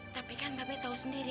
tapi kan mbak rere tau sendiri